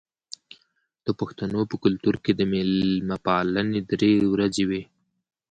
د پښتنو په کلتور کې د میلمه پالنه درې ورځې وي.